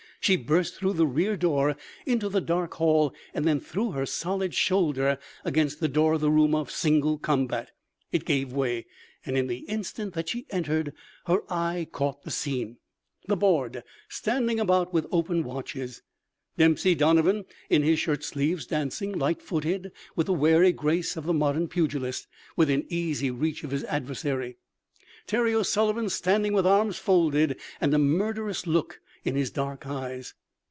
She burst through the rear door into the dark hall and then threw her solid shoulder against the door of the room of single combat. It gave way, and in the instant that she entered her eye caught the scene—the Board standing about with open watches; Dempsey Donovan in his shirt sleeves dancing, light footed, with the wary grace of the modern pugilist, within easy reach of his adversary; Terry O'Sullivan standing with arms folded and a murderous look in his dark eyes.